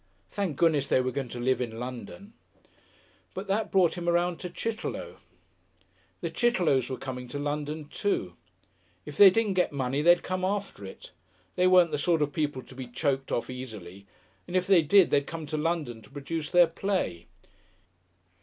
Thank goodness, they were going to live in London! But that brought him around to Chitterlow. The Chitterlows were coming to London, too. If they didn't get money they'd come after it; they weren't the sort of people to be choked off easily, and if they did they'd come to London to produce their play.